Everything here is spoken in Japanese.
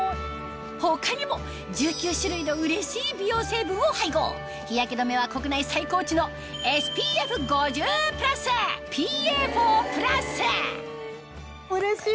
他にも１９種類のうれしい美容成分を配合日焼け止めは国内最高値のうれしい！